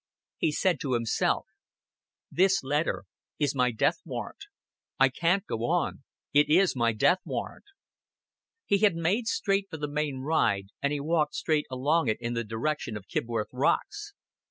He said to himself, "This letter is my death warrant. I can't go on. It is my death warrant." He had made straight for the main ride, and he walked straight along it in the direction of Kibworth Rocks.